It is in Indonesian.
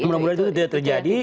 mudah mudahan itu tidak terjadi